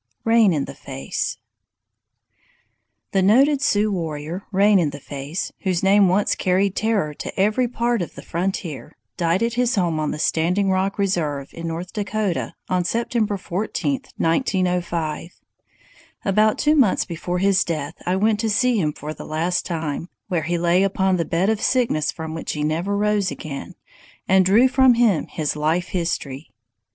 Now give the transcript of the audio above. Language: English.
RAIN IN THE FACE The noted Sioux warrior, Rain in the Face, whose name once carried terror to every part of the frontier, died at his home on the Standing Rock reserve in North Dakota on September 14, 1905. About two months before his death I went to see him for the last time, where he lay upon the bed of sickness from which he never rose again, and drew from him his life history.